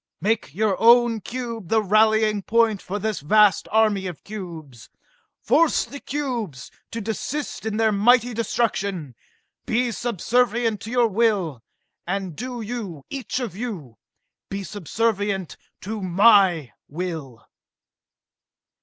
Make your own cube the rallying point for this vast army of cubes, force the cubes to desist in their mighty destruction, be subservient to your will and do you, each of you, be subservient to my will!"